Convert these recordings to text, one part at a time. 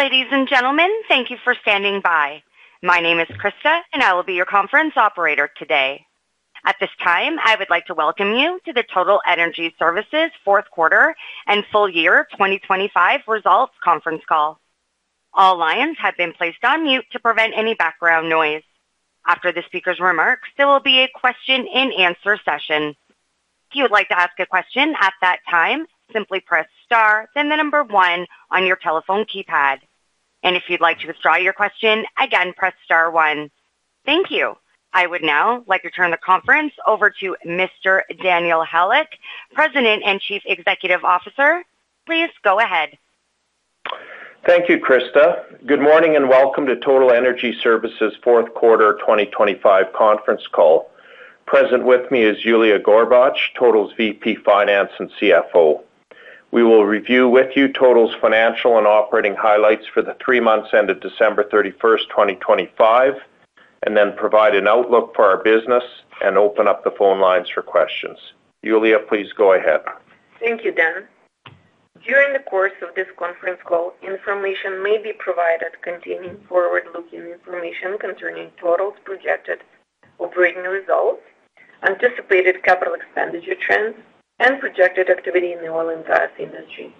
Ladies and gentlemen, thank you for standing by. My name is Krista and I will be your conference operator today. At this time, I would like to welcome you to the Total Energy Services Fourth Quarter and Full Year 2025 Results Conference Call. All lines have been placed on mute to prevent any background noise. After the speaker's remarks, there will be a question and answer session. If you would like to ask a question at that time, simply press star then the number one on your telephone keypad. If you'd like to withdraw your question, again, press star one. Thank you. I would now like to turn the conference over to Mr. Daniel Halyk, President and Chief Executive Officer. Please go ahead. Thank you, Krista. Good morning and welcome to Total Energy Services Fourth Quarter 2025 Conference Call. Present with me is Yuliya Gorbach, Total's VP Finance and CFO. We will review with you Total's financial and operating highlights for the three months ended December 31, 2025, and then provide an outlook for our business and open up the phone lines for questions. Yuliya, please go ahead. Thank you, Dan. During the course of this conference call, information may be provided containing forward-looking information concerning Total's projected operating results, anticipated capital expenditure trends, and projected activity in the oil and gas industry.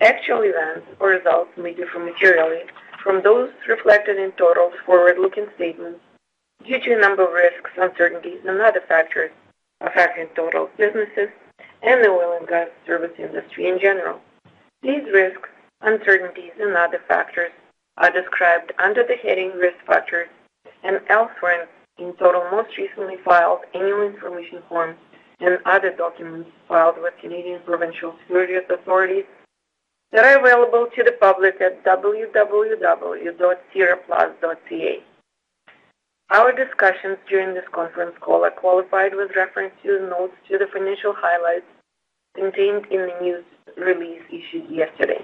Actual events or results may differ materially from those reflected in Total's forward-looking statements due to a number of risks, uncertainties and other factors affecting Total's businesses and the oil and gas service industry in general. These risks, uncertainties and other factors are described under the heading Risk Factors and elsewhere in Total most recently filed annual information forms and other documents filed with Canadian provincial securities authorities that are available to the public at www.sedarplus.ca. Our discussions during this conference call are qualified with reference to the notes to the financial highlights contained in the news release issued yesterday.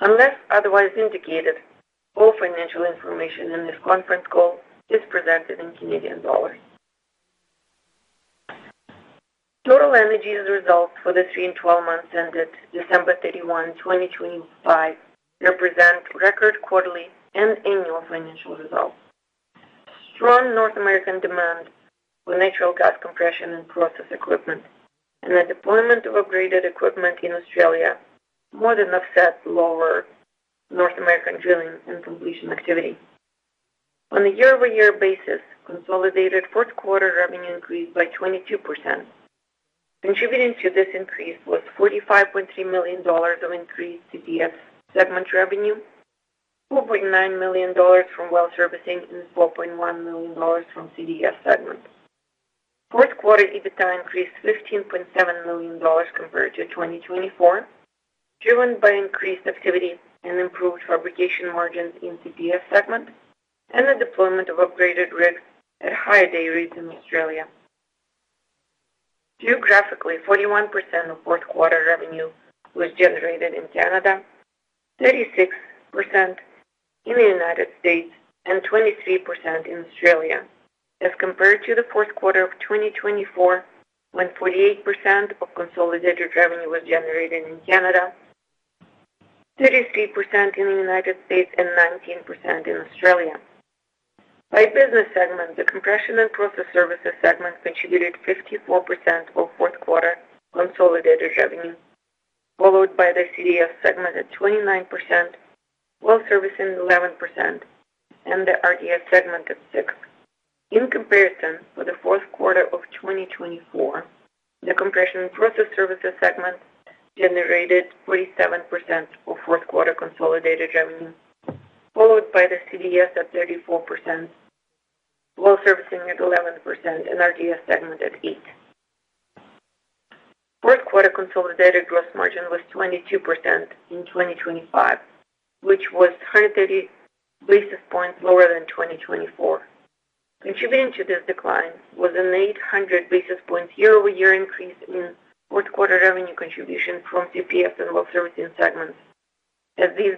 Unless otherwise indicated, all financial information in this conference call is presented in Canadian dollar. Total Energy's results for the three and 12 months ended December 31, 2025 represent record quarterly and annual financial results. Strong North American demand for natural gas compression and process equipment and the deployment of upgraded equipment in Australia more than offset lower North American drilling and completion activity. On a year-over-year basis, consolidated fourth quarter revenue increased by 22%. Contributing to this increase was 45.3 million dollars of increased CDS segment revenue, 4.9 million dollars from Well Servicing and 4.1 million dollars from CDS segment. Fourth quarter EBITDA increased 15.7 million dollars compared to 2024, driven by increased activity and improved fabrication margins in CDS segment and the deployment of upgraded rigs at higher day rates in Australia. Geographically, 41% of fourth quarter revenue was generated in Canada, 36% in the United States and 23% in Australia as compared to the fourth quarter of 2024 when 48% of consolidated revenue was generated in Canada, 33% in the United States and 19% in Australia. By business segment, the compression and process services segment contributed 54% of fourth quarter consolidated revenue, followed by the CDS segment at 29%, Well Servicing 11% and the RTS segment at 6%. In comparison with the fourth quarter of 2024, the compression and process services segment generated 47% of fourth quarter consolidated revenue, followed by the CDS at 34%, Well Servicing at 11% and RTS segment at 8%. Fourth quarter consolidated gross margin was 22% in 2025, which was 130 basis points lower than 2024. Contributing to this decline was an 800 basis points year-over-year increase in fourth quarter revenue contribution from CPS and Well Servicing segments as these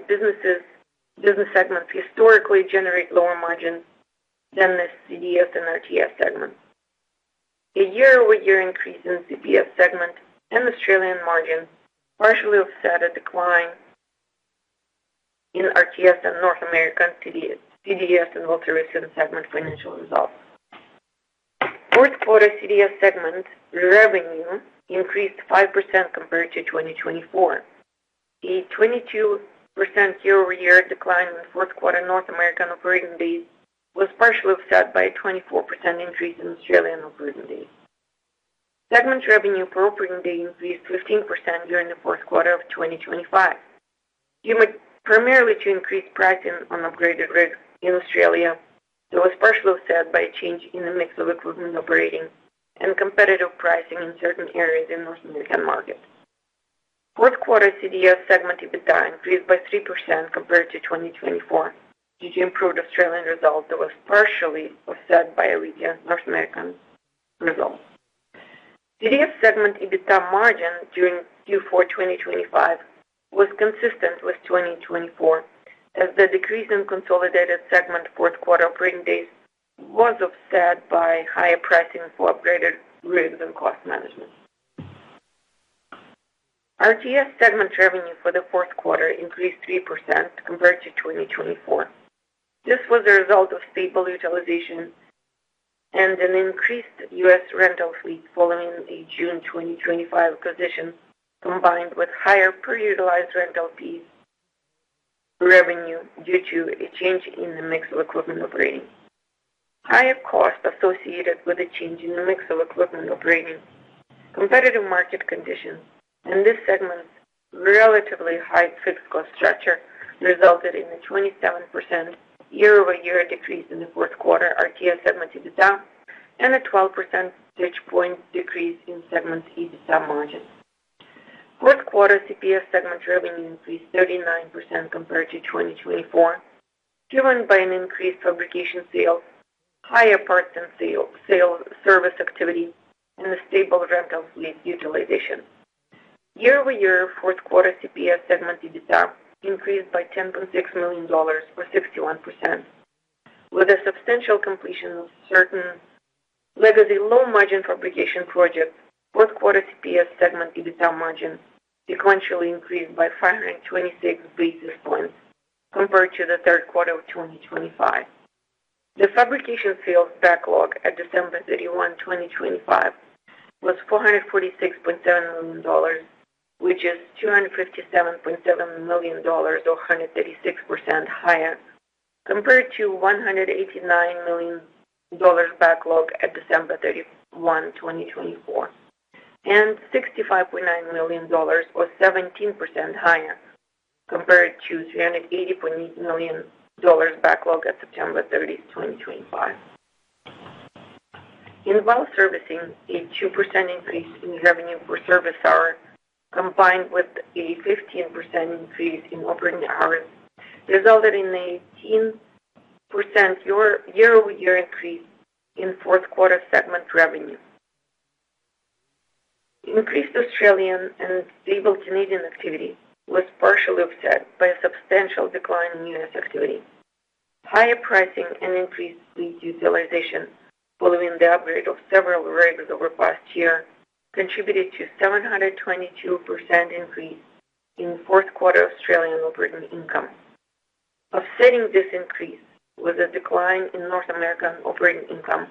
business segments historically generate lower margins than the CDS and RTS segments. A year-over-year increase in CPS segment and Australian margins partially offset a decline in RTS and North American CDS and Well Servicing segment financial results. Fourth quarter CDS segment revenue increased 5% compared to 2024. A 22% year-over-year decline in fourth quarter North American operating days was partially offset by a 24% increase in Australian operating days. Segment revenue per operating day increased 15% during the fourth quarter of 2025. Due primarily to increased pricing on upgraded rigs in Australia that was partially offset by a change in the mix of equipment operating and competitive pricing in certain areas in North American markets. Fourth quarter CDS segment EBITDA increased by 3% compared to 2024 due to improved Australian results that was partially offset by a weaker North American result. CDS segment EBITDA margin during Q4 2025 was consistent with 2024 as the decrease in consolidated segment fourth quarter operating days was offset by higher pricing for upgraded rigs and cost management. RTS segment revenue for the fourth quarter increased 3% compared to 2024. This was a result of stable utilization and an increased U.S. rental fleet following a June 2025 acquisition, combined with higher per-utilized rental fees revenue due to a change in the mix of equipment operating. Higher costs associated with a change in the mix of equipment operating, competitive market conditions in this segment, relatively high fixed cost structure resulted in a 27% year-over-year decrease in the fourth quarter RTS segment EBITDA and a 12 percentage point decrease in segment EBITDA margin. Fourth quarter CPS segment revenue increased 39% compared to 2024, driven by an increased fabrication sales, higher parts and sales service activity, and a stable rental fleet utilization. Year-over-year fourth quarter CPS segment EBITDA increased by 10.6 million dollars or 61%. With a substantial completion of certain legacy low-margin fabrication projects, fourth quarter CPS segment EBITDA margins sequentially increased by 526 basis points compared to the third quarter of 2025. The fabrication sales backlog at December 31, 2025 was CAD 446.7 million, which is 257.7 million dollars or 136% higher compared to 189 million dollars backlog at December 31, 2024, and 65.9 million dollars or 17% higher compared to 380.8 million dollars backlog at September 30, 2025. In Well Servicing, a 2% increase in revenue per service hour, combined with a 15% increase in operating hours, resulted in an 18% year-over-year increase in fourth quarter segment revenue. Increased Australian and stable Canadian activity was partially offset by a substantial decline in U.S. activity. Higher pricing and increased fleet utilization following the upgrade of several rigs over the past year contributed to 722% increase in fourth quarter Australian operating income. Offsetting this increase was a decline in North American operating income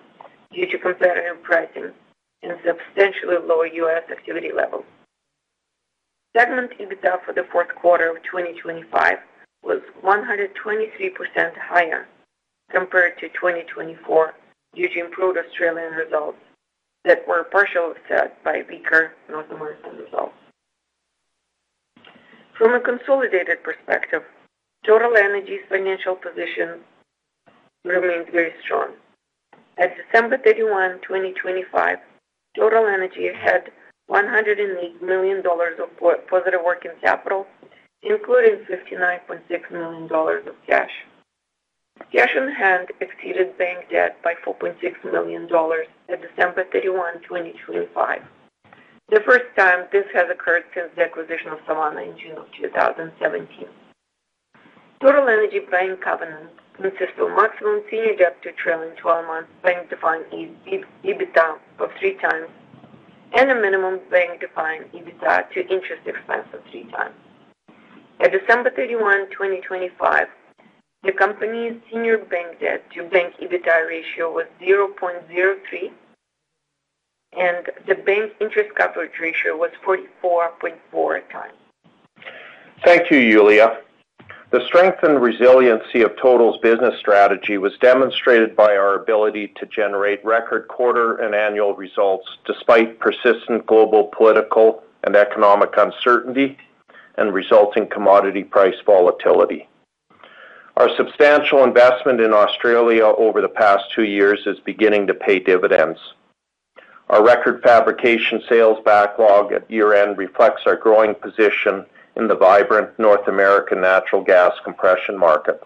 due to competitive pricing and substantially lower U.S. activity levels. Segment EBITDA for the fourth quarter of 2025 was 123% higher compared to 2024 due to improved Australian results that were partially offset by weaker North American results. From a consolidated perspective, Total Energy's financial position remains very strong. At December 31, 2025, Total Energy had 108 million dollars of positive working capital, including 59.6 million dollars of cash. Cash on hand exceeded bank debt by 4.6 million dollars at December 31, 2025, the first time this has occurred since the acquisition of Savanna in June 2017. Total Energy bank covenants consist of maximum senior debt to trailing 12-month bank-defined EBITDA of 3x and a minimum bank-defined EBITDA to interest expense of 3x. At December 31, 2025, the company's senior bank debt to bank EBITDA ratio was 0.03, and the bank interest coverage ratio was 44.4x. Thank you, Yuliya. The strength and resiliency of Total's business strategy was demonstrated by our ability to generate record quarter and annual results despite persistent global political and economic uncertainty and resulting commodity price volatility. Our substantial investment in Australia over the past two years is beginning to pay dividends. Our record fabrication sales backlog at year-end reflects our growing position in the vibrant North American natural gas compression market.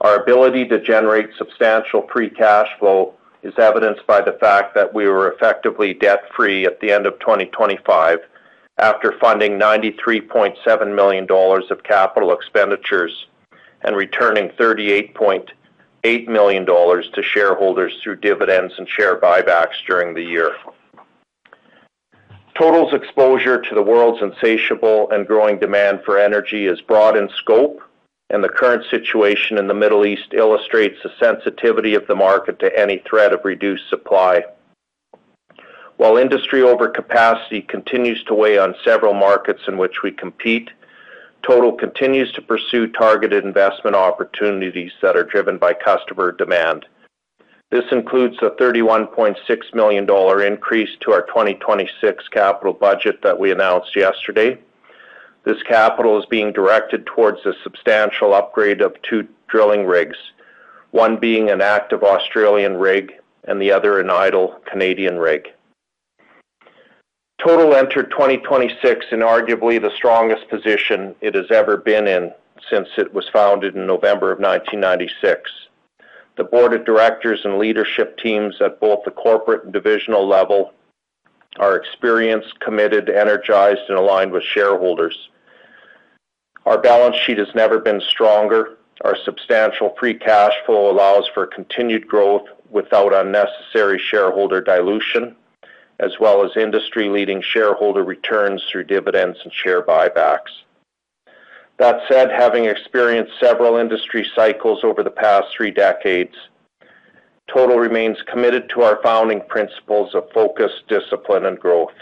Our ability to generate substantial free cash flow is evidenced by the fact that we were effectively debt-free at the end of 2025 after funding 93.7 million dollars of capital expenditures and returning 38.8 million dollars to shareholders through dividends and share buybacks during the year. Total's exposure to the world's insatiable and growing demand for energy is broad in scope, and the current situation in the Middle East illustrates the sensitivity of the market to any threat of reduced supply. While industry overcapacity continues to weigh on several markets in which we compete, Total continues to pursue targeted investment opportunities that are driven by customer demand. This includes a 31.6 million dollar increase to our 2026 capital budget that we announced yesterday. This capital is being directed towards a substantial upgrade of two drilling rigs, one being an active Australian rig and the other an idle Canadian rig. Total entered 2026 in arguably the strongest position it has ever been in since it was founded in November 1996. The board of directors and leadership teams at both the corporate and divisional level are experienced, committed, energized, and aligned with shareholders. Our balance sheet has never been stronger. Our substantial free cash flow allows for continued growth without unnecessary shareholder dilution, as well as industry-leading shareholder returns through dividends and share buybacks. That said, having experienced several industry cycles over the past three decades, Total remains committed to our founding principles of focus, discipline and growth.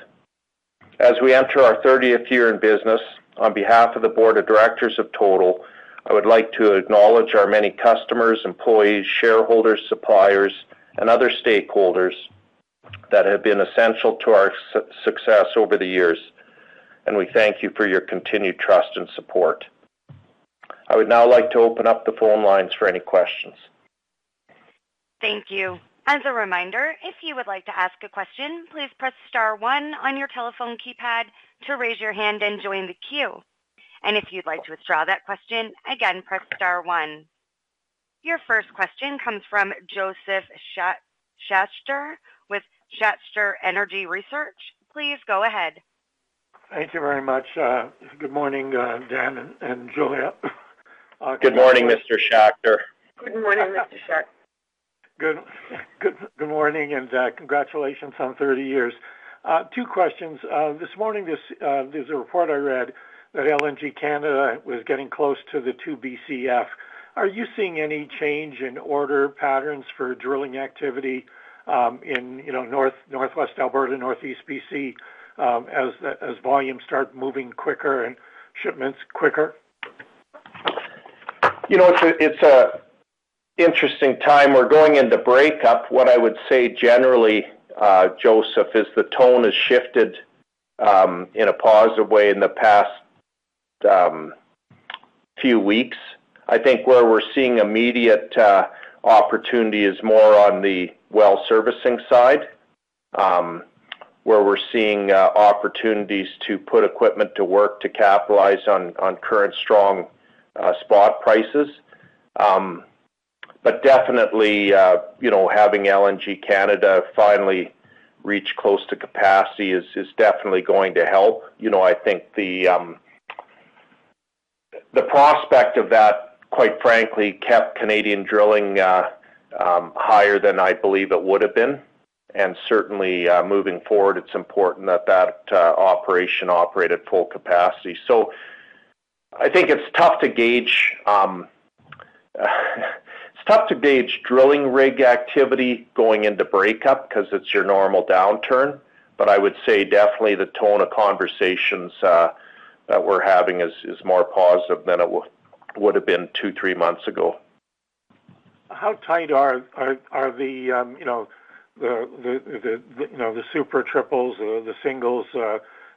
As we enter our 30th year in business, on behalf of the board of directors of Total, I would like to acknowledge our many customers, employees, shareholders, suppliers, and other stakeholders that have been essential to our success over the years, and we thank you for your continued trust and support. I would now like to open up the phone lines for any questions. Thank you. As a reminder, if you would like to ask a question, please press star one on your telephone keypad to raise your hand and join the queue. If you'd like to withdraw that question, again, press star one. Your first question comes from Josef Schachter with Schachter Energy Research. Please go ahead. Thank you very much. Good morning, Daniel and Yuliya. Good morning, Mr. Schachter. Good morning, Mr. Schachter. Good morning. Congratulations on 30 years. Two questions. This morning, there's a report I read that LNG Canada was getting close to the two BCF. Are you seeing any change in order patterns for drilling activity in Northwest Alberta, Northeast BC, as volumes start moving quicker and shipments quicker? You know, it's an interesting time. We're going into breakup. What I would say generally, Josef, is the tone has shifted in a positive way in the past few weeks. I think where we're seeing immediate opportunity is more on the Well Servicing side, where we're seeing opportunities to put equipment to work to capitalize on current strong spot prices. But definitely, you know, having LNG Canada finally reach close to capacity is definitely going to help. You know, I think the prospect of that, quite frankly, kept Canadian drilling higher than I believe it would have been. Certainly, moving forward, it's important that that operation operate at full capacity. I think it's tough to gauge drilling rig activity going into breakup 'cause it's your normal downturn. I would say definitely the tone of conversations that we're having is more positive than it would have been two, three months ago. How tight are the, you know, the Super Triples or the singles,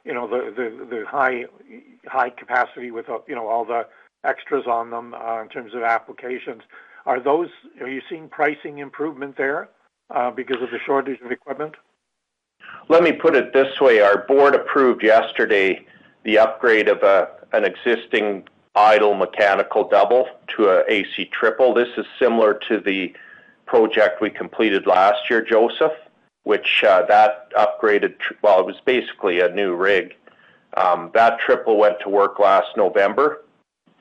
you know, the high capacity with, you know, all the extras on them, in terms of applications? Are you seeing pricing improvement there, because of the shortage of equipment? Let me put it this way. Our board approved yesterday the upgrade of an existing idle mechanical double to an AC triple. This is similar to the project we completed last year, Josef, which upgraded. Well, it was basically a new rig. That triple went to work last November,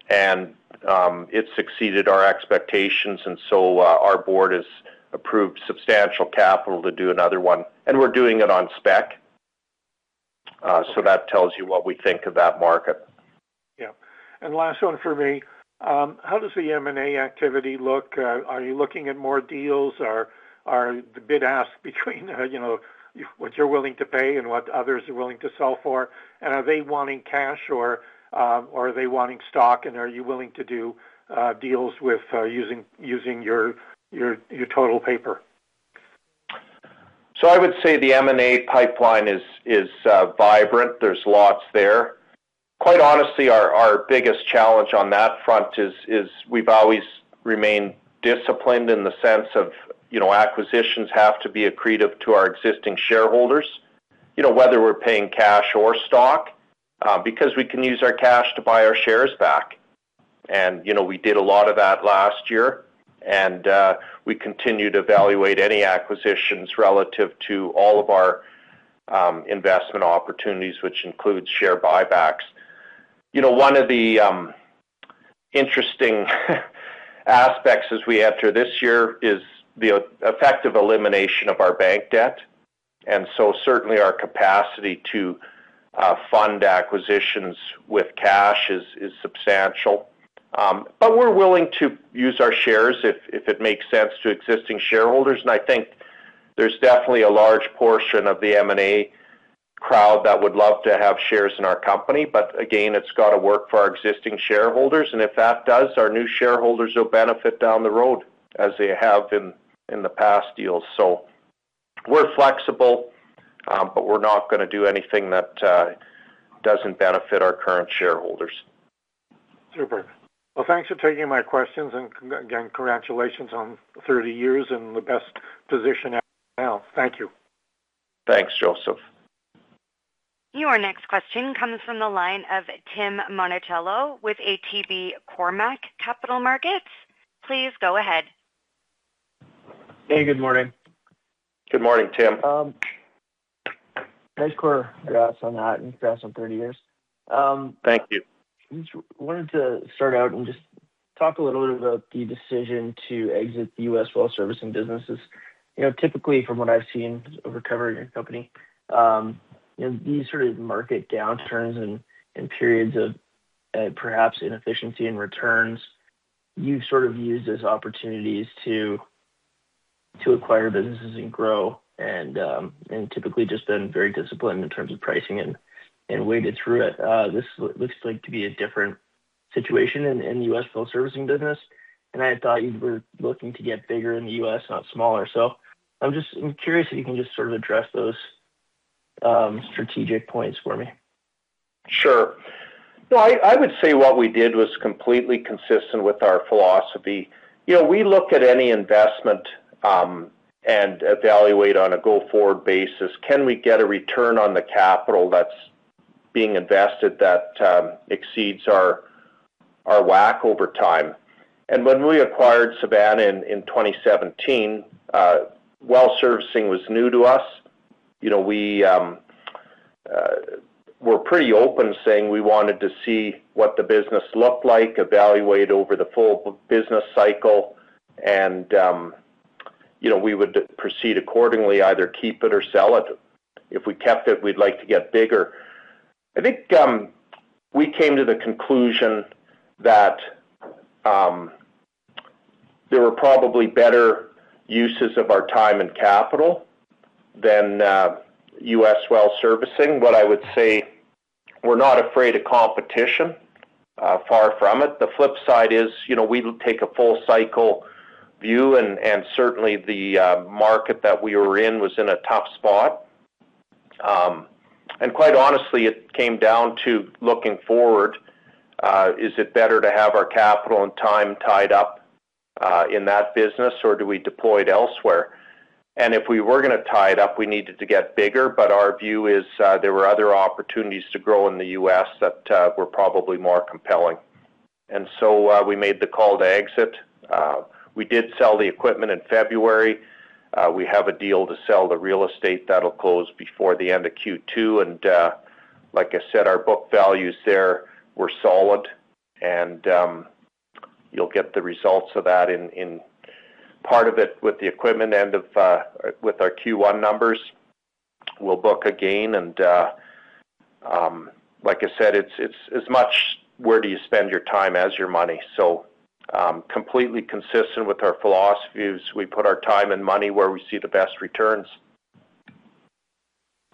and it exceeded our expectations. Our board has approved substantial capital to do another one, and we're doing it on spec. That tells you what we think of that market. Yeah. Last one for me. How does the M&A activity look? Are you looking at more deals? Are the bid-ask between, you know, what you're willing to pay and what others are willing to sell for? Are they wanting cash or are they wanting stock? Are you willing to do deals with using your Total paper? I would say the M&A pipeline is vibrant. There's lots there. Quite honestly, our biggest challenge on that front is we've always remained disciplined in the sense of, you know, acquisitions have to be accretive to our existing shareholders, you know, whether we're paying cash or stock, because we can use our cash to buy our shares back. You know, we did a lot of that last year, and we continue to evaluate any acquisitions relative to all of our investment opportunities, which includes share buybacks. You know, one of the interesting aspects as we enter this year is the effective elimination of our bank debt. Certainly our capacity to fund acquisitions with cash is substantial. But we're willing to use our shares if it makes sense to existing shareholders. I think there's definitely a large portion of the M&A crowd that would love to have shares in our company. Again, it's gotta work for our existing shareholders. If that does, our new shareholders will benefit down the road as they have in the past deals. We're flexible, but we're not gonna do anything that doesn't benefit our current shareholders. Super. Well, thanks for taking my questions. Again, congratulations on 30 years in the best position now. Thank you. Thanks, Josef. Your next question comes from the line of Tim Monachello with ATB Cormark Capital Markets. Please go ahead. Hey, good morning. Good morning, Tim. Nice quarter, congrats on that, and congrats on 30 years. Thank you. Just wanted to start out and just talk a little bit about the decision to exit the U.S. Well Servicing businesses. You know, typically from what I've seen over covering your company, these sort of market downturns and periods of perhaps inefficiency in returns, you sort of use as opportunities to acquire businesses and grow and typically just been very disciplined in terms of pricing and waded through it. This looks like to be a different situation in U.S. Well Servicing business. I thought you were looking to get bigger in the U.S., not smaller. I'm just curious if you can just sort of address those strategic points for me. Sure. No, I would say what we did was completely consistent with our philosophy. You know, we look at any investment, and evaluate on a go-forward basis. Can we get a return on the capital that's being invested that exceeds our WACC over time? When we acquired Savanna in 2017, Well Servicing was new to us. You know, we were pretty open saying we wanted to see what the business looked like, evaluate over the full business cycle, and you know, we would proceed accordingly, either keep it or sell it. If we kept it, we'd like to get bigger. I think we came to the conclusion that there were probably better uses of our time and capital than U.S. Well Servicing. I would say we're not afraid of competition, far from it. The flip side is, you know, we take a full cycle view, and certainly the market that we were in was in a tough spot. Quite honestly, it came down to looking forward, is it better to have our capital and time tied up in that business, or do we deploy it elsewhere? If we were gonna tie it up, we needed to get bigger. Our view is, there were other opportunities to grow in the U.S. that were probably more compelling. We made the call to exit. We did sell the equipment in February. We have a deal to sell the real estate that'll close before the end of Q2. Like I said, our book values there were solid and you'll get the results of that in part of it with the equipment and with our Q1 numbers. We'll book again. Like I said, it's as much where do you spend your time as your money. Completely consistent with our philosophies. We put our time and money where we see the best returns.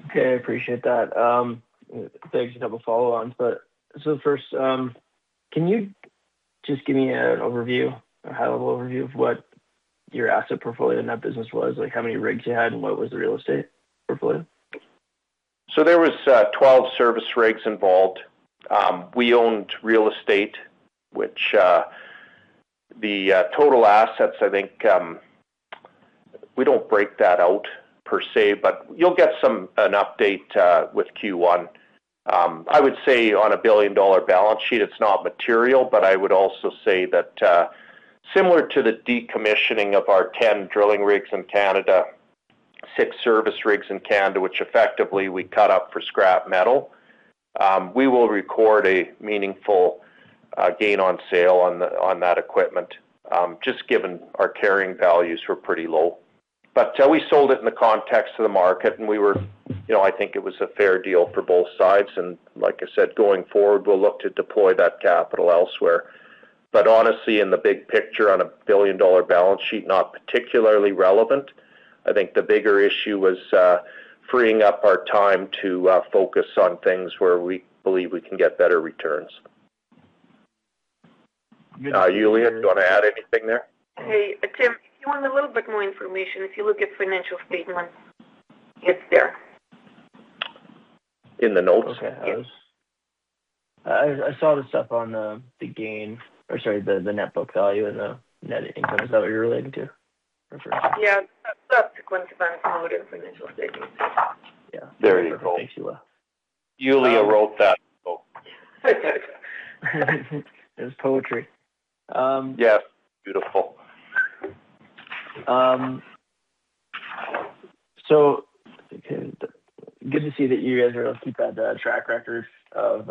Okay, I appreciate that. Thanks. I have a follow on. First, can you just give me an overview or high-level overview of what your asset portfolio in that business was? Like, how many rigs you had and what was the real estate portfolio? There was 12 service rigs involved. We owned real estate, which the total assets, I think, we don't break that out per se, but you'll get some, an update with Q1. I would say on a billion-dollar balance sheet, it's not material, but I would also say that similar to the decommissioning of our 10 drilling rigs in Canada, six service rigs in Canada, which effectively we cut up for scrap metal, we will record a meaningful gain on sale on that equipment just given our carrying values were pretty low. We sold it in the context of the market, and we were you know, I think it was a fair deal for both sides. Like I said, going forward, we'll look to deploy that capital elsewhere. Honestly, in the big picture, on a billion-dollar balance sheet, not particularly relevant. I think the bigger issue was freeing up our time to focus on things where we believe we can get better returns. Yuliya, do you wanna add anything there? Hey, Tim, if you want a little bit more information, if you look at financial statements, it's there. In the notes? Yes. I saw the stuff on the net book value and the net income. Is that what you're relating to or referring to? Yeah. Subsequent events note in financial statements. Yeah. There you go. Thanks, Yuliya. Yuliya wrote that note. It was poetry. Yes. Beautiful. Good to see that you guys are able to keep that track record of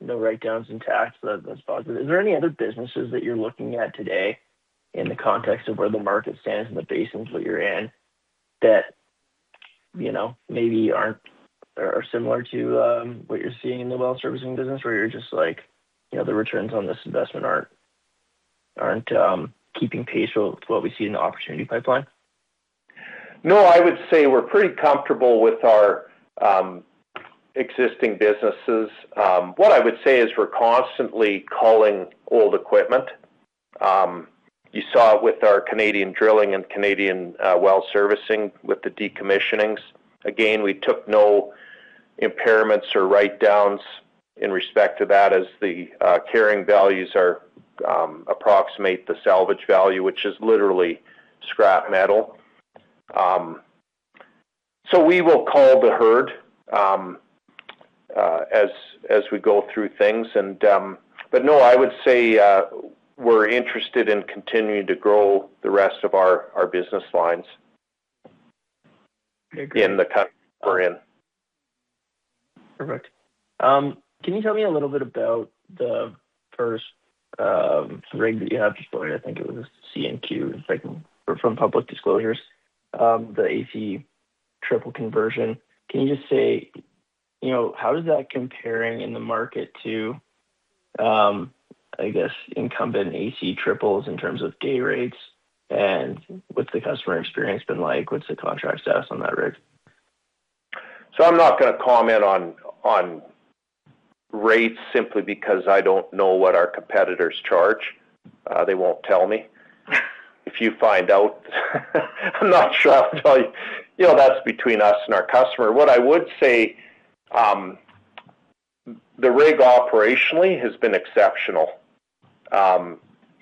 no write-downs in tax. That's positive. Is there any other businesses that you're looking at today in the context of where the market stands and the basins that you're in that, you know, maybe aren't or are similar to what you're seeing in the Well Servicing business, where you're just like, you know, the returns on this investment aren't keeping pace with what we see in the opportunity pipeline? No, I would say we're pretty comfortable with our existing businesses. What I would say is we're constantly culling old equipment. You saw it with our Canadian drilling and Canadian Well Servicing with the decommissionings. Again, we took no impairments or write-downs in respect to that as the carrying values are approximate the salvage value, which is literally scrap metal. We will cull the herd as we go through things. No, I would say we're interested in continuing to grow the rest of our business lines. Okay. In the country we're in. Perfect. Can you tell me a little bit about the first rig that you have deployed? I think it was a CNQ, it's like from public disclosures, the AC triple conversion. Can you just say, you know, how is that comparing in the market to, I guess incumbent AC triples in terms of day rates and what's the customer experience been like? What's the contract status on that rig? I'm not gonna comment on rates simply because I don't know what our competitors charge. They won't tell me. If you find out, I'm not sure I'll tell you. You know, that's between us and our customer. What I would say, the rig operationally has been exceptional.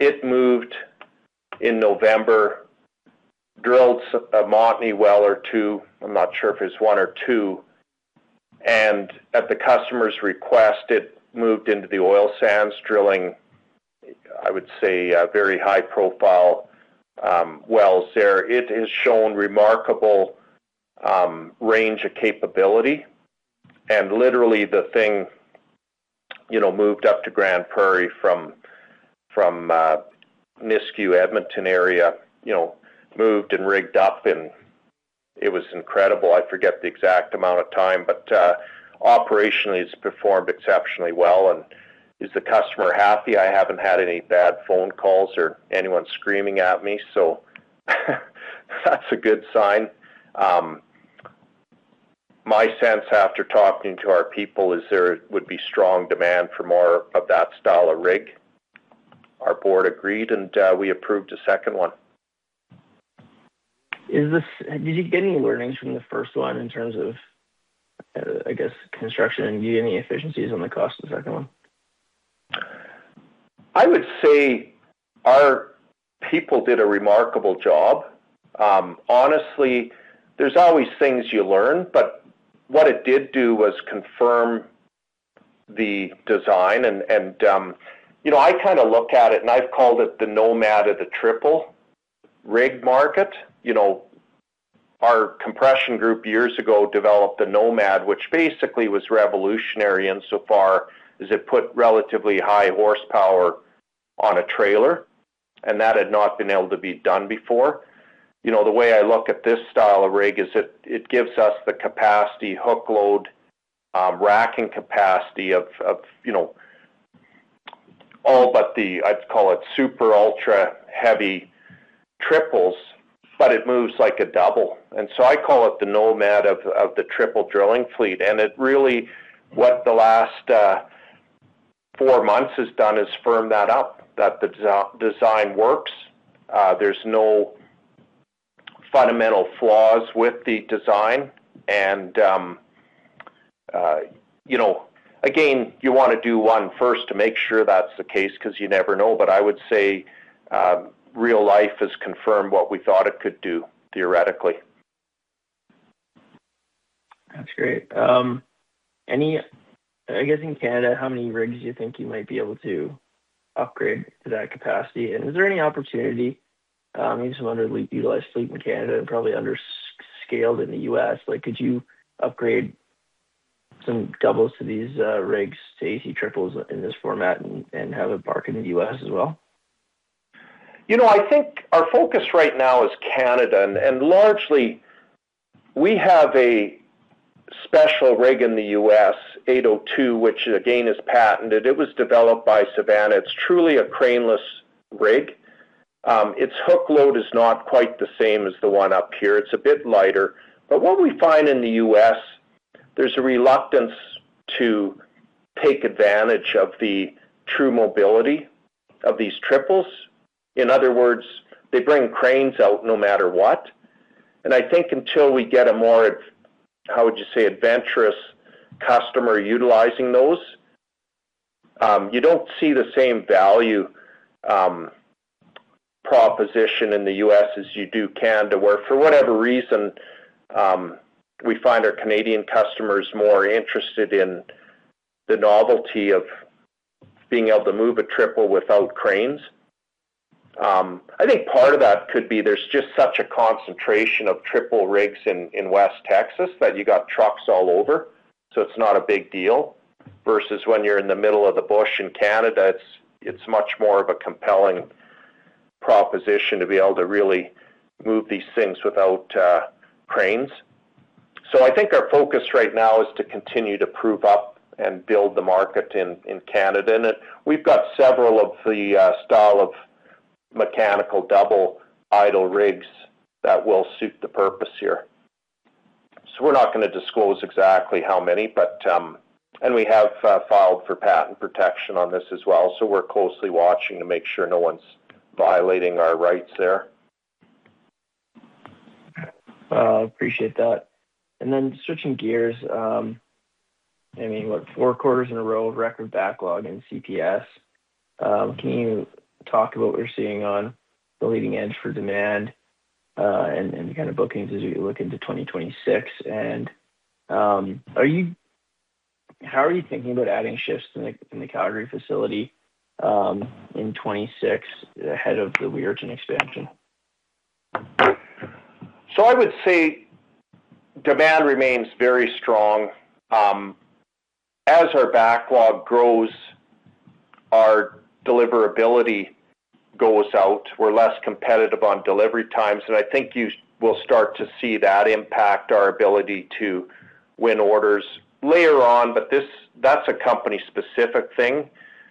It moved in November, drilled a Montney well or two, I'm not sure if it's one or two. At the customer's request, it moved into the oil sands drilling, I would say a very high profile wells there. It has shown remarkable range of capability. And literally the thing, you know, moved up to Grande Prairie from Nisku Edmonton area, you know, moved and rigged up, and it was incredible. I forget the exact amount of time, but operationally it's performed exceptionally well. Is the customer happy? I haven't had any bad phone calls or anyone screaming at me, so that's a good sign. My sense after talking to our people is there would be strong demand for more of that style of rig. Our board agreed and we approved a second one. Did you get any learnings from the first one in terms of, I guess, construction and get any efficiencies on the cost of the second one? I would say our people did a remarkable job. Honestly, there's always things you learn, but what it did do was confirm the design and you know, I kind of look at it and I've called it the Nomad of the triple rig market. You know, our compression group years ago developed a Nomad, which basically was revolutionary insofar as it put relatively high horsepower on a trailer, and that had not been able to be done before. You know, the way I look at this style of rig is it gives us the capacity, hook load, racking capacity of you know, all but the, I'd call it super ultra heavy triples, but it moves like a double. I call it the Nomad of the triple drilling fleet. It really, what the last four months has done is firm that up, that the design works. There's no fundamental flaws with the design. You know, again, you wanna do one first to make sure that's the case because you never know. I would say real life has confirmed what we thought it could do theoretically. That's great. I guess in Canada, how many rigs do you think you might be able to upgrade to that capacity? Is there any opportunity, I mean, some underutilized fleet in Canada and probably underscaled in the U.S.? Like, could you upgrade some doubles to these rigs to AC triples in this format and have a market in the U.S. as well? You know, I think our focus right now is Canada. Largely we have a special rig in the U.S., 802, which again is patented. It was developed by Savanna. It's truly a craneless rig. Its hook load is not quite the same as the one up here. It's a bit lighter. What we find in the U.S., there's a reluctance to take advantage of the true mobility of these triples. In other words, they bring cranes out no matter what. I think until we get a more, how would you say, adventurous customer utilizing those, you don't see the same value, proposition in the U.S. as you do Canada, where for whatever reason, we find our Canadian customers more interested in the novelty of being able to move a triple without cranes. I think part of that could be there's just such a concentration of triple rigs in West Texas that you got trucks all over. It's not a big deal versus when you're in the middle of the bush in Canada. It's much more of a compelling proposition to be able to really move these things without cranes. I think our focus right now is to continue to prove up and build the market in Canada. We've got several of the style of mechanical double idle rigs that will suit the purpose here. We're not gonna disclose exactly how many, but we have filed for patent protection on this as well. We're closely watching to make sure no one's violating our rights there. Okay. Appreciate that. Switching gears, I mean, what, four quarters in a row of record backlog in CPS. Can you talk about what you're seeing on the leading edge for demand, and the kind of bookings as we look into 2026? How are you thinking about adding shifts in the Calgary facility in 2026 ahead of the Weirton expansion? I would say demand remains very strong. As our backlog grows, our deliverability goes out. We're less competitive on delivery times, and I think you will start to see that impact our ability to win orders later on. This, that's a company-specific thing.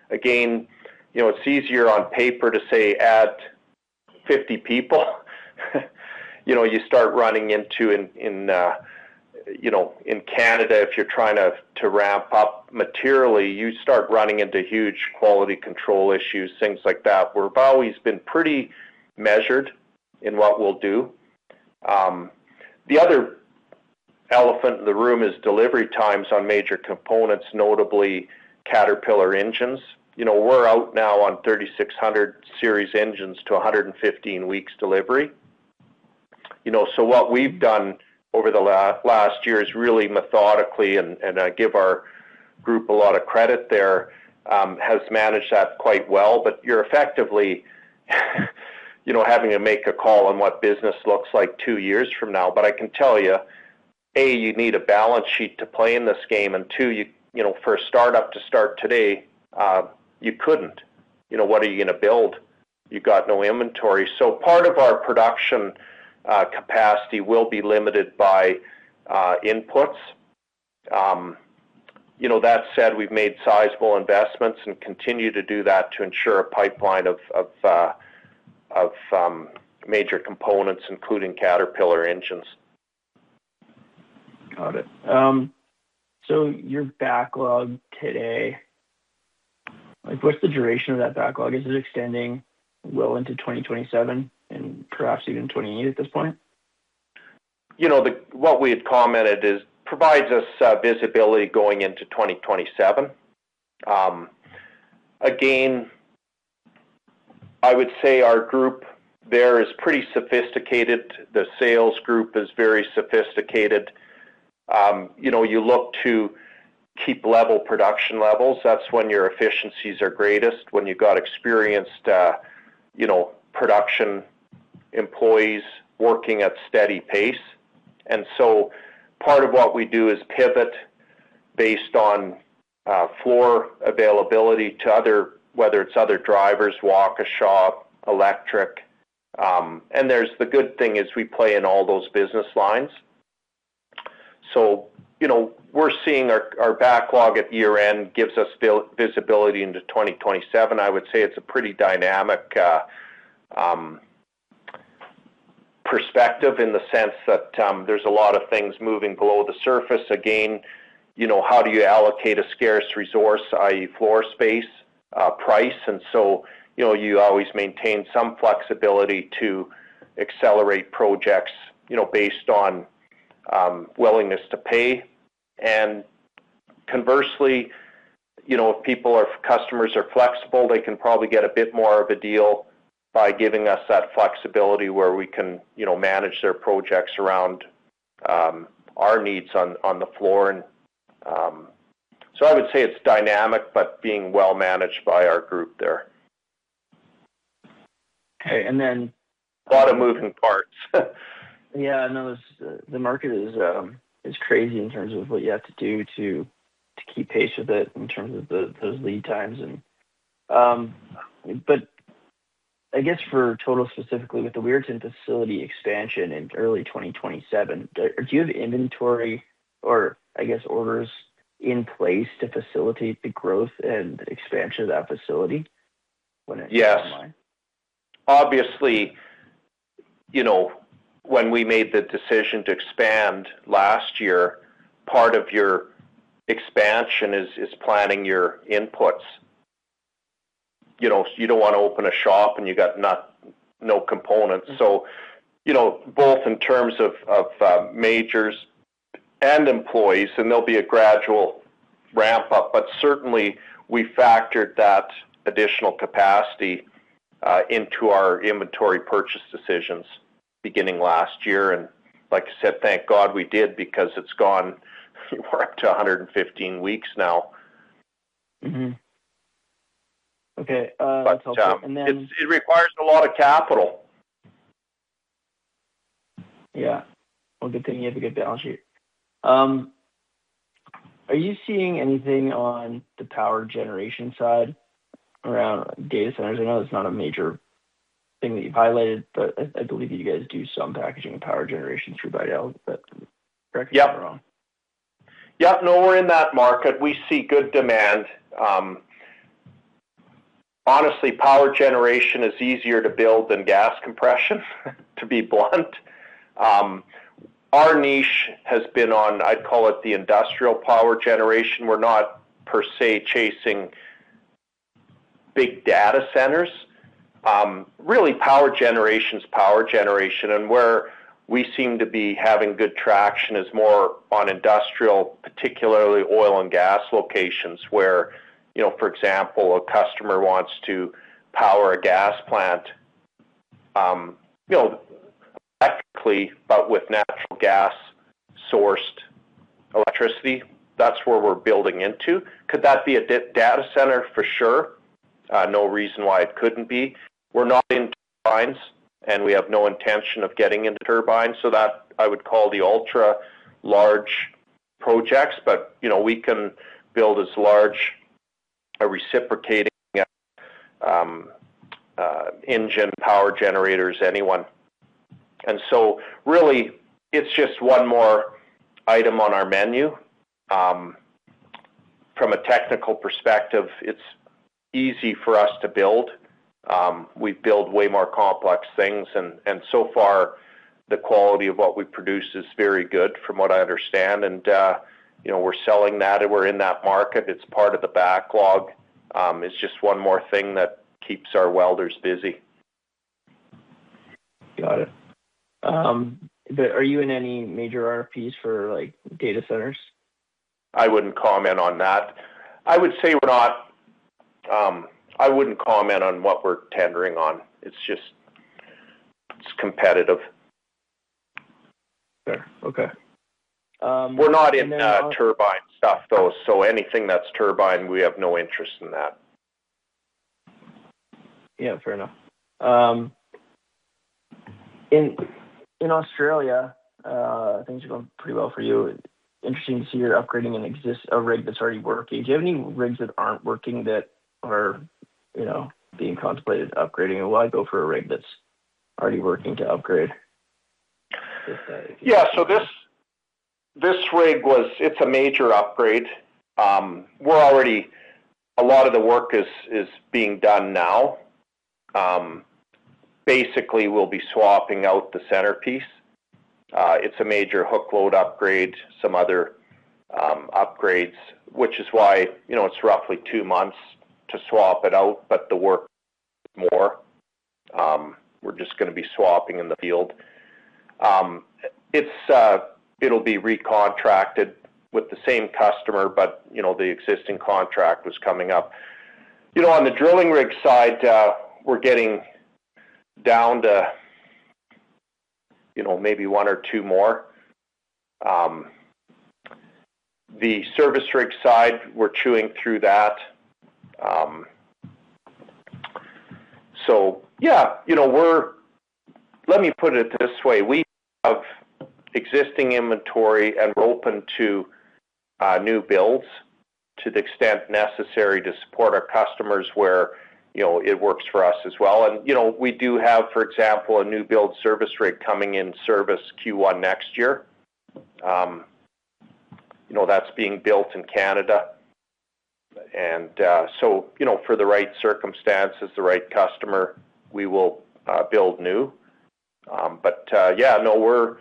Again, you know, it's easier on paper to say add 50 people. You know, in Canada, if you're trying to ramp up materially, you start running into huge quality control issues, things like that. We've always been pretty measured in what we'll do. The other elephant in the room is delivery times on major components, notably Caterpillar engines. You know, we're out now on 3600 series engines to 115 weeks delivery. You know, what we've done over the last year is really methodically managed that quite well, and I give our group a lot of credit there. You're effectively, you know, having to make a call on what business looks like two years from now. I can tell you, A, you need a balance sheet to play in this game, and two, you know, for a startup to start today, you couldn't. You know, what are you gonna build? You got no inventory. Part of our production capacity will be limited by inputs. You know, that said, we've made sizable investments and continue to do that to ensure a pipeline of major components, including Caterpillar engines. Got it. Your backlog today, what's the duration of that backlog? Is it extending well into 2027 and perhaps even 2028 at this point? You know, what we had commented is provides us visibility going into 2027. Again, I would say our group there is pretty sophisticated. The sales group is very sophisticated. You know, you look to keep level production levels. That's when your efficiencies are greatest, when you've got experienced, you know, production employees working at steady pace. Part of what we do is pivot based on floor availability to other whether it's other drivers, walk a shop, electric. The good thing is we play in all those business lines. You know, we're seeing our backlog at year-end gives us visibility into 2027. I would say it's a pretty dynamic perspective in the sense that there's a lot of things moving below the surface. Again, you know, how do you allocate a scarce resource, i.e., floor space, price? You know, you always maintain some flexibility to accelerate projects, you know, based on willingness to pay. Conversely, you know, if people or customers are flexible, they can probably get a bit more of a deal by giving us that flexibility where we can, you know, manage their projects around our needs on the floor. I would say it's dynamic, but being well managed by our group there. Okay. A lot of moving parts. Yeah, I know the market is crazy in terms of what you have to do to keep pace with it in terms of those lead times. I guess for Total specifically with the Weirton facility expansion in early 2027, do you have inventory or I guess orders in place to facilitate the growth and expansion of that facility when it comes online? Yes. Obviously, you know, when we made the decision to expand last year, part of your expansion is planning your inputs. You know, you don't wanna open a shop, and you got no components. You know, both in terms of majors and employees, and there'll be a gradual ramp up, but certainly we factored that additional capacity into our inventory purchase decisions beginning last year. Like I said, thank God we did because it's gone, we're up to 115 weeks now. Mm-hmm. Okay. That's helpful. It requires a lot of capital. Yeah. Well, good thing you have a good balance sheet. Are you seeing anything on the power generation side around data centers? I know that's not a major thing that you've highlighted, but I believe you guys do some packaging and power generation through Vital. Is that correct or wrong? Yep. No, we're in that market. We see good demand. Honestly, power generation is easier to build than gas compression, to be blunt. Our niche has been on, I'd call it the industrial power generation. We're not per se chasing big data centers. Really power generation. Where we seem to be having good traction is more on industrial, particularly oil and gas locations where, you know, for example, a customer wants to power a gas plant, you know, electrically, but with natural gas sourced electricity. That's where we're building into. Could that be a data center? For sure. No reason why it couldn't be. We're not in lines, and we have no intention of getting into turbines. That I would call the ultra-large projects. You know, we can build as large a reciprocating engine power generators, anyone. Really it's just one more item on our menu. From a technical perspective, it's easy for us to build. We build way more complex things and so far the quality of what we produce is very good from what I understand. You know, we're selling that and we're in that market. It's part of the backlog. It's just one more thing that keeps our welders busy. Got it. Are you in any major RFPs for like data centers? I wouldn't comment on that. I wouldn't comment on what we're tendering on. It's just, it's competitive. Okay. We're not in turbine stuff though, so anything that's turbine, we have no interest in that. Yeah, fair enough. In Australia, things are going pretty well for you. Interesting to see you're upgrading a rig that's already working. Do you have any rigs that aren't working that are, you know, being contemplated upgrading? Why go for a rig that's already working to upgrade? Yeah. This rig is a major upgrade. A lot of the work is being done now. Basically we'll be swapping out the centerpiece. It's a major hook load upgrade, some other upgrades, which is why, you know, it's roughly two months to swap it out, but we're just gonna be swapping in the field. It'll be recontracted with the same customer, but, you know, the existing contract was coming up. You know, on the drilling rig side, we're getting down to, you know, maybe one or two more. The service rig side, we're chewing through that. Yeah, you know, let me put it this way, we have existing inventory and we're open to new builds to the extent necessary to support our customers where, you know, it works for us as well. You know, we do have, for example, a new build service rig coming in service Q1 next year. You know, that's being built in Canada. You know, for the right circumstances, the right customer, we will build new. Yeah, no,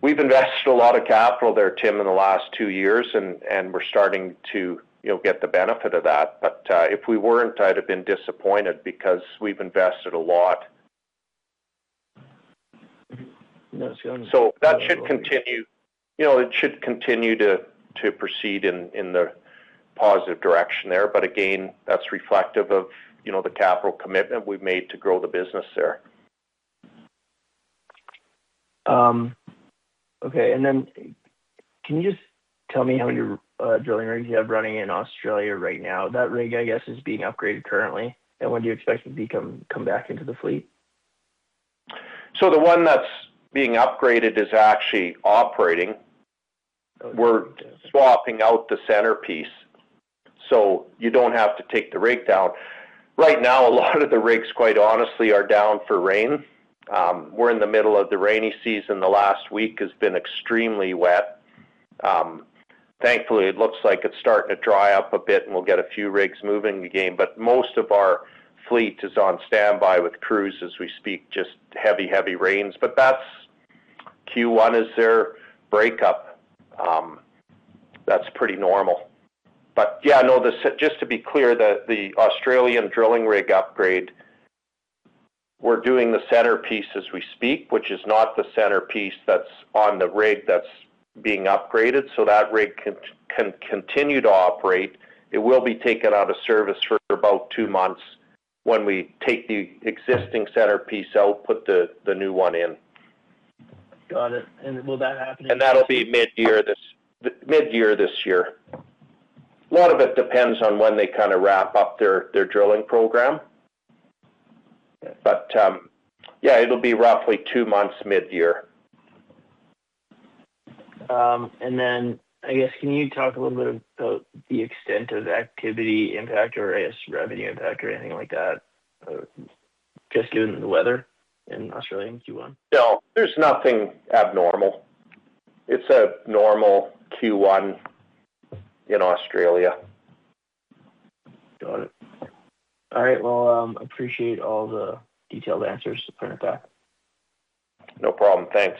we've invested a lot of capital there, Tim, in the last two years and we're starting to, you know, get the benefit of that. If we weren't, I'd have been disappointed because we've invested a lot. Yes. That should continue. You know, it should continue to proceed in the positive direction there. again, that's reflective of, you know, the capital commitment we've made to grow the business there. Okay. Can you just tell me how many drilling rigs you have running in Australia right now? That rig, I guess, is being upgraded currently. When do you expect it to come back into the fleet? The one that's being upgraded is actually operating. We're swapping out the centerpiece, so you don't have to take the rig down. Right now, a lot of the rigs, quite honestly, are down for rain. We're in the middle of the rainy season. The last week has been extremely wet. Thankfully, it looks like it's starting to dry up a bit and we'll get a few rigs moving again. Most of our fleet is on standby with crews as we speak. Just heavy rains. That's Q1 is their breakup. That's pretty normal. Just to be clear, the Australian drilling rig upgrade, we're doing the centerpiece as we speak, which is not the centerpiece that's on the rig that's being upgraded. That rig can continue to operate. It will be taken out of service for about two months when we take the existing centerpiece out, put the new one in. Got it. Will that happen in- That'll be midyear this year. A lot of it depends on when they kinda wrap up their drilling program. Yeah, it'll be roughly two months midyear. I guess, can you talk a little bit about the extent of activity impact or I guess, revenue impact or anything like that, just given the weather in Australia in Q1? No, there's nothing abnormal. It's a normal Q1 in Australia. Got it. All right. Well, appreciate all the detailed answers. Appreciate that. No problem. Thanks.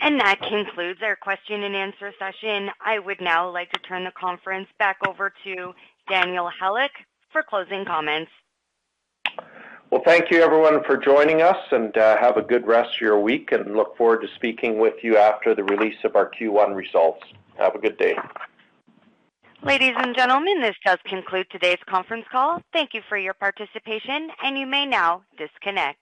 That concludes our question and answer session. I would now like to turn the conference back over to Daniel Halyk for closing comments. Well, thank you everyone for joining us, and have a good rest of your week and look forward to speaking with you after the release of our Q1 results. Have a good day. Ladies and gentlemen, this does conclude today's conference call. Thank you for your participation, and you may now disconnect.